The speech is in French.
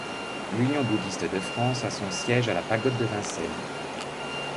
L'Union bouddhiste de France a son siège à la Pagode de Vincennes.